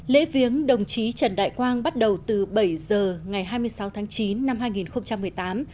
lễ viếng đồng chí trần đại quang bắt đầu từ bảy giờ ngày hai mươi sáu tháng chín năm hai nghìn một mươi tám